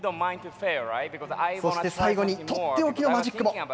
そして最後に取って置きのマジックも。